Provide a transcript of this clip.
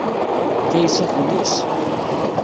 Kaysa tuyes.